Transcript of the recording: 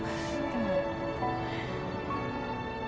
でも。